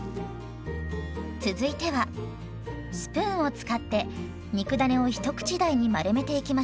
続いてはスプーンを使って肉だねを一口大に丸めていきましょう。